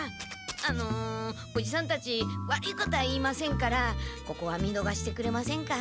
あのおじさんたち悪いことは言いませんからここは見のがしてくれませんか？